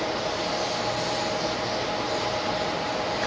นั่นก็มีเหมือนกันแล้ว